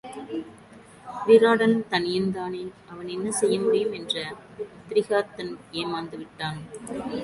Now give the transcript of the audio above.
விராடன் தனியன் தானே அவன் என்னசெய்ய முடியும் என்ற திரிகர்த்தன் ஏமாந்து விட்டான்.